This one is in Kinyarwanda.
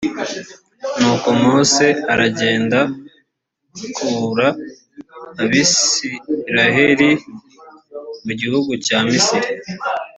nuko mose aragenda kura abisiraherimu gihugu cya misiri